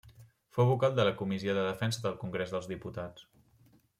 Fou vocal de la Comissió de Defensa del Congrés dels Diputats.